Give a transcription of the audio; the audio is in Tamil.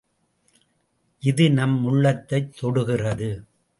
இது நம் உள்ளத்தைத் தொடுகிறது.